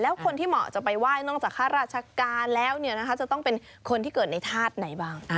แล้วคนที่เหมาะจะไปไหว้นอกจากข้าราชการแล้วจะต้องเป็นคนที่เกิดในธาตุไหนบ้าง